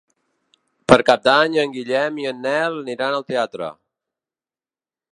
Per Cap d'Any en Guillem i en Nel aniran al teatre.